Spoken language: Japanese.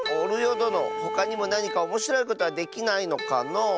どのほかにもなにかおもしろいことはできないのかのう？